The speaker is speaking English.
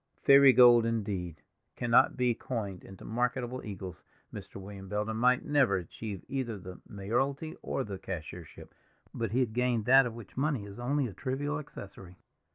Fairy gold, indeed, cannot be coined into marketable eagles. Mr. William Belden might never achieve either the mayoralty or the cashiership, but he had gained that of which money is only a trivial accessory.